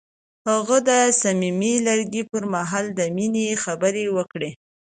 هغه د صمیمي لرګی پر مهال د مینې خبرې وکړې.